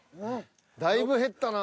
だいぶ減ったな。